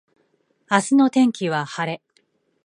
明日の天気は晴れ